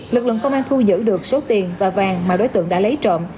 lực lượng công an thu giữ được số tiền và vàng mà đối tượng đã lấy trộm